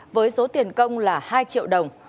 với số tiền công là hai triệu đồng